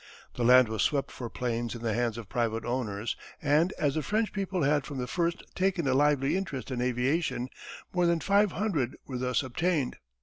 The land was swept for planes in the hands of private owners and, as the French people had from the first taken a lively interest in aviation, more than 500 were thus obtained.